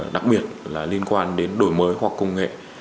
đặc biệt là liên quan đến đổi mới hoặc công nghệ